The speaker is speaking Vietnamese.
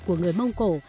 của người mông cổ